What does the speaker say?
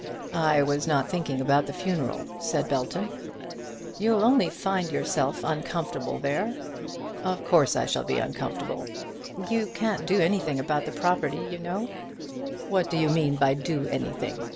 "I was not thinking about the funeral," said Belton. "You'll only find yourself uncomfortable there." "Of course I shall be uncomfortable." "You can't do anything about the property, you know." "What do you mean by doing anything?"